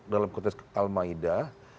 dalam konteks al maida